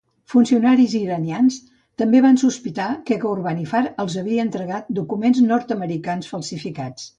Funcionaris iranians també van sospitar que Ghorbanifar els havia entregat documents nord-americans falsificats.